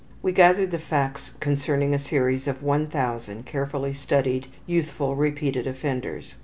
We gathered the facts concerning a series of 1000 carefully studied youthful repeated offenders.